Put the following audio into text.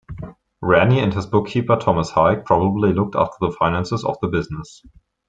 Rannie and his bookkeeper, Thomas Haig, probably looked after the finances of the business.